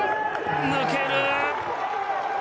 抜ける！